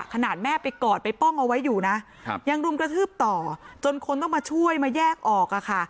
ขนาดแม่ไปกอดไปป้องเอาไว้อยู่นะยังรุมกระทืบต่อจนคนต้องมาช่วยมาแยกออกอะค่ะ